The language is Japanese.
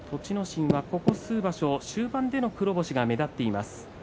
心は、ここ数場所終盤での黒星が目立っています。